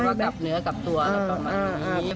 ก็ว่ากลับเนื้อกลับตัวแล้วประมาณนี้